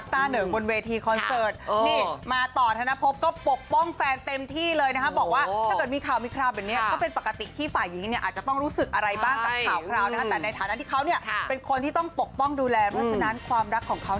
ถ้านี่ดิฉันเป็นแฟนต่อตอนนี้ดิฉันติดปีกแล้วนะคะ